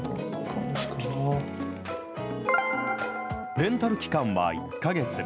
レンタル期間は１か月。